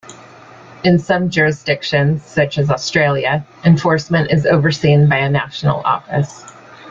In some jurisdictions, such as Australia, enforcement is overseen by a national office.